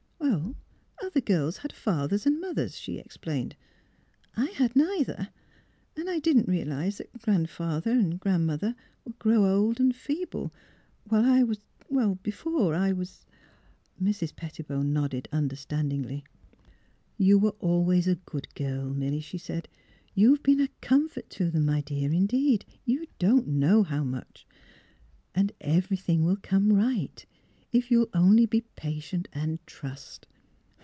Other girls had fathers and mothers," she explained. " I had neither; and I didn't realise that Gran 'father an' Gran 'mother would grow old and feeble while I — before I was " Mrs. Pettibone nodded understandingly. " You were always a good girl, Milly," she said. " You've been a comfort to them, my dear, indeed, you don't know how much. And — every thing will come right, if you '11 only be patient and — trust.